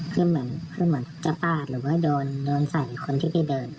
คือเหมือนจะปาดหรือว่าโดนใส่คนที่ได้เดิน